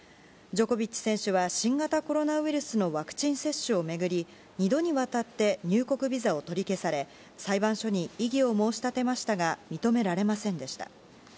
ジョコビッチ選手は新型コロナウイルスのワクチン接種を巡り２度にわたって入国ビザを取り消され裁判所に異議を申し立てましたが認められませんでした。